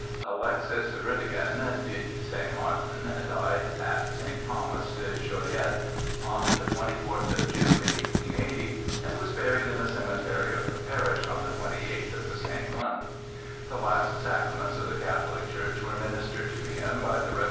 Alexis Bidigan, dit St. Martin, died at St. Thomas de Joliette on the 24th of June, 1880, and was buried in the cemetery of the parish on the 28th of the same month. The last sacraments of the Catholic church were ministered to him by the Revd.